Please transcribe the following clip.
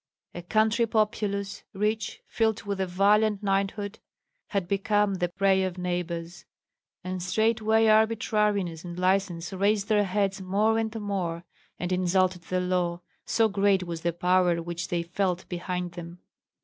A country populous, rich, filled with a valiant knighthood, had become the prey of neighbors; and straightway arbitrariness and license raised their heads more and more, and insulted the law, so great was the power which they felt behind them.